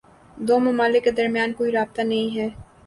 دو ممالک کے درمیان کوئی رابطہ نہیں ہے۔